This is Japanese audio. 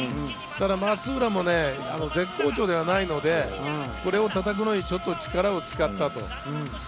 松浦も絶好調ではないので、これをたたく前に力を使ったと。